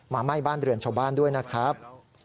ไหม้บ้านเรือนชาวบ้านด้วยนะครับ